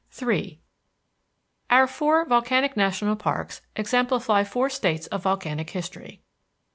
III Our four volcanic national parks exemplify four states of volcanic history.